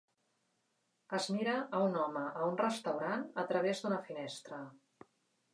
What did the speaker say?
Es mira a un home a un restaurant a través d'una finestra.